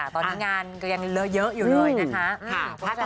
ตอนนี้งานก็ยังเลอะเยอะอยู่เลยนะคะ